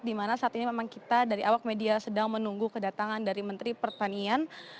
di mana saat ini memang kita dari awak media sedang menunggu kedatangan dari menteri pertanian